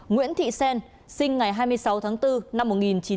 nguyễn thị xen sinh ngày hai mươi sáu tháng bốn năm một nghìn chín trăm tám mươi bốn